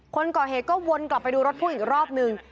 คนก่อเหตุก็วนกลับไปดูรถพ่วงอีกรอบนึง